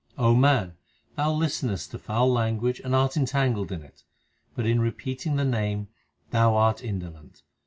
O man, thou listenest to foul language and art entangled in it, but in repeating the Name thou art indolent.